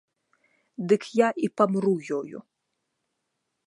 Дык я і памру ёю.